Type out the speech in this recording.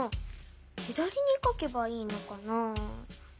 左に書けばいいのかな？